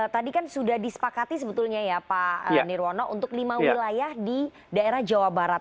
tadi kan sudah disepakati sebetulnya ya pak nirwono untuk lima wilayah di daerah jawa barat